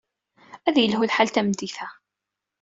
Ad yelhu lḥal tameddit-a.